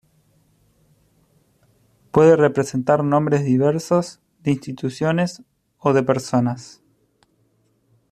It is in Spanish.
Puede representar nombres diversos, de instituciones o de personas.